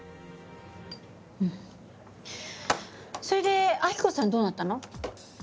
それで亜希子さんどうなったの？